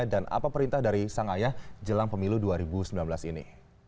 dan apa perintah dari sang ayah jelang pemilu dua ribu sembilan belas ini